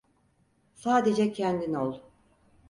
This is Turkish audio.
Sadece kendin ol.